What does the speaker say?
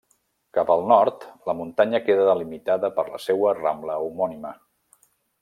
Cap al nord, la muntanya queda delimitada per la seua rambla homònima.